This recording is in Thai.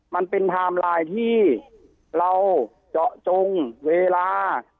ไทม์ไลน์ที่เราเจาะจงเวลา